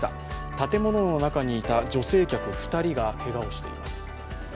建物の中にいた女性客２人がけがをしています。